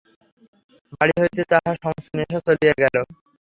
বাড়ি হইতে তাহার সমস্ত নেশা চলিয়া গেল।